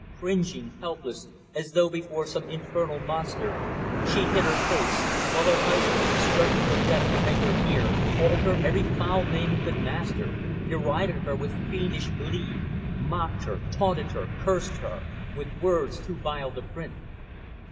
Cringing, helpless as though before some infernal monster she hid her face; while her husband, struggling for breath to make her hear, called her every foul name he could master derided her with fiendish glee mocked her, taunted her, cursed her with words too vile to print.